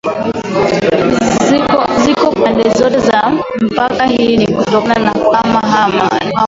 Ziko pande zote za mpaka hii ni kutokana na kuhama hama